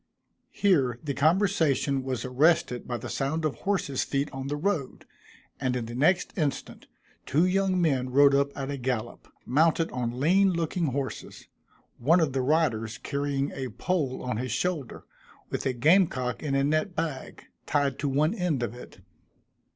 Here the conversation was arrested by the sound of horses' feet on the road, and in the next instant, two young men rode up at a gallop, mounted on lean looking horses; one of the riders carrying a pole on his shoulder, with a game cock in a net bag, tied to one end of it.